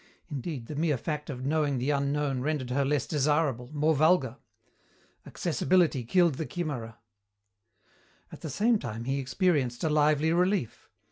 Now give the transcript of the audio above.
Indeed, the mere fact of knowing the unknown rendered her less desirable, more vulgar. Accessibility killed the chimera. At the same time he experienced a lively relief.